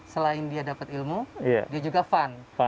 selain dia dapat ilmu dia juga fun